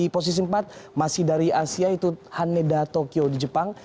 posisi empat masih dari asia itu haneda tokyo di jepang